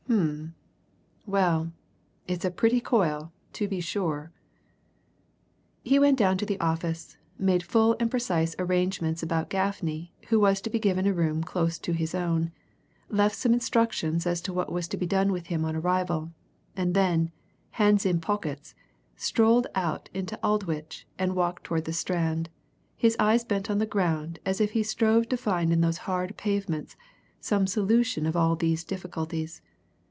Um well, it's a pretty coil, to be sure!" He went down to the office, made full and precise arrangements about Gaffney, who was to be given a room close to his own, left some instructions as to what was to be done with him on arrival, and then, hands in pockets, strolled out into Aldwych and walked towards the Strand, his eyes bent on the ground as if he strove to find in those hard pavements some solution of all these difficulties.